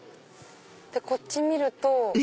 こっち見ると。